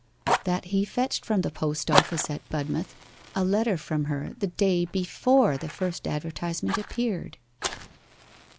'That he fetched from the post office at Budmouth a letter from her the day before the first advertisement appeared.